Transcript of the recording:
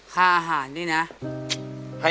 ค่าอาหารนี่นะ